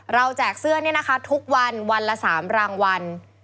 แจกเสื้อนี่นะคะทุกวันวันละ๓รางวัล